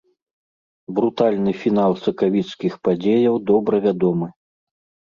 Брутальны фінал сакавіцкіх падзеяў добра вядомы.